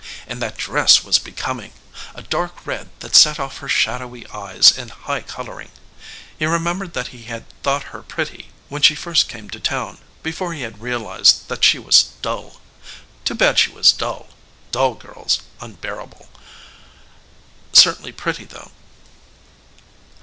And that dress was becoming a dark red that set off her shadowy eyes and high coloring. He remembered that he had thought her pretty when she first came to town, before he had realized that she was dull. Too bad she was dull dull girls unbearable certainly pretty though.